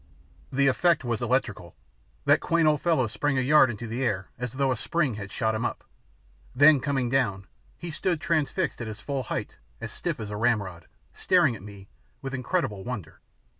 The effect was electrical. That quaint old fellow sprang a yard into air as though a spring had shot him up. Then, coming down, he stood transfixed at his full height as stiff as a ramrod, staring at me with incredible wonder.